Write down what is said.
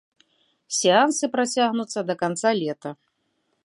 Сеансы працягнуцца да канца лета.